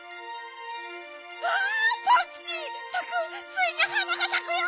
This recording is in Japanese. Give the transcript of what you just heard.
ついに花がさくよ！